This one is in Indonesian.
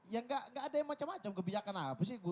ya gak ada yang macem macem kebijakan apa sih